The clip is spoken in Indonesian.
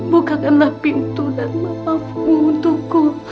bukakanlah pintu dan maaf untukku